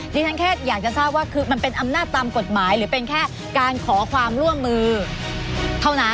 ดิฉันแค่อยากจะทราบว่าคือมันเป็นอำนาจตามกฎหมายหรือเป็นแค่การขอความร่วมมือเท่านั้น